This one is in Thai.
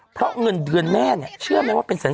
เพราะเงินเดือนแม่เนี่ยเชื่อไหมว่าเป็นแสน